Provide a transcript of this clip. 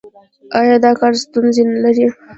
ایا د کار ستونزې لرئ؟